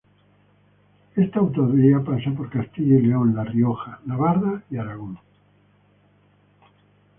Esta autovía pasa por Castilla y León, La Rioja, Navarra y Aragón.